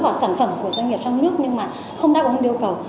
hoặc sản phẩm của doanh nghiệp trong nước nhưng mà không đạt được điều cầu